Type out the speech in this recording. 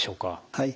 はい。